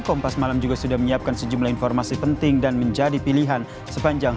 kompas malam juga sudah menyiapkan sejumlah informasi penting dan menjadi pilihan sepanjang